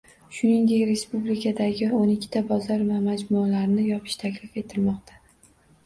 Shuningdek, respublikadagio´n ikkita bozor va majmualarni yopish taklif etilmoqda